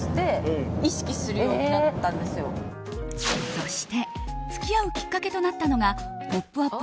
そして付き合うきっかけとなったのが「ポップＵＰ！」